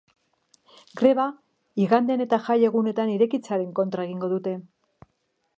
Greba igandean era jai egunetan irekitzearen kontra egingo dute.